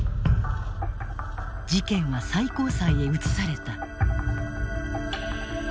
事件は最高裁へ移された。